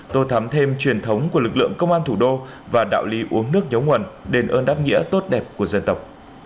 tổ thám thêm truyền thống của lực lượng công an thủ đô và đạo lý uống nước nhấu nguồn đền ơn đáp nghĩa tốt đẹp của dân tộc